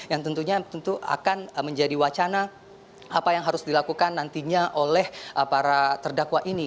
yang tentunya tentu akan menjadi wacana apa yang harus dilakukan nantinya oleh para terdakwa ini